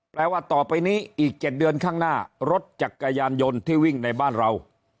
แปลว่าต่อไปนี้อีก๗เดือนข้างหน้ารถจักรยานยนต์ที่วิ่งในบ้านเรา